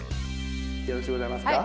よろしゅうございますか？